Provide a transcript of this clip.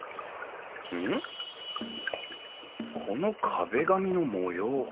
この壁紙の模様